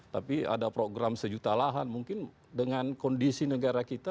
tapi ada program sejuta lahan mungkin dengan kondisi negara kita